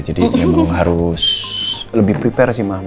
jadi memang harus lebih siap sih